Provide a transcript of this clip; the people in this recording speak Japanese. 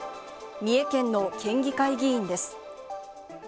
三重県の県議会議員です。